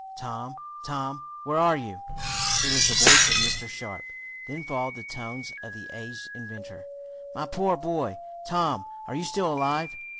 "Tom! Tom! Where are you?" It was the voice of Mr. Sharp. Then followed the tones of the aged inventor. "My poor boy! Tom, are you still alive?"